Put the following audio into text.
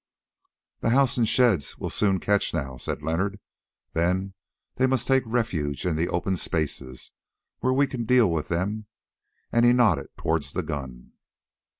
"The house and sheds will soon catch now," said Leonard; "then they must take refuge in the open spaces, where we can deal with them," and he nodded towards the gun.